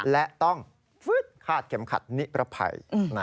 และต้องฟึ๊ดคาดเข็มขัดนิรภัย